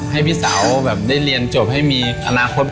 ให้พี่สาวแบบได้เรียนจบให้มีอนาคต